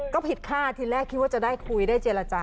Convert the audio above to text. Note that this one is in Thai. ก็ผิดค่าทีแรกคิดว่าจะได้คุยได้เจรจา